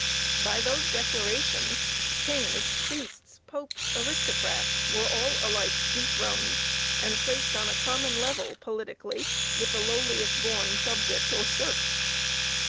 By those declarations, kings, priests, popes, aristocrats, were all alike dethroned, and placed on a common level, politically, with the lowliest born subject or serf.